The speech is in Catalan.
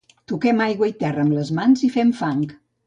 Toquem aigua i terra amb les mans, i fem fang.